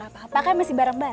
apa apa kan masih bareng bareng